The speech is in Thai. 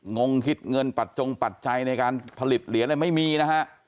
งงคิดเงินปัจจงปัจจัยในการผลิตเหรียญอะไรไม่มีนะฮะ